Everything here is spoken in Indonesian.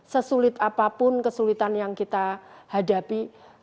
sesulit apapun kesulitan yang kita hadapi